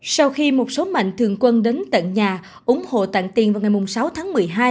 sau khi một số mạnh thường quân đến tận nhà ủng hộ tặng tiền vào ngày sáu tháng một mươi hai